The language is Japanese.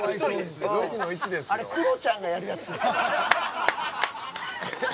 あれクロちゃんがやるやつですよ。